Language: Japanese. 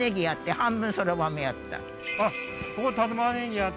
あっ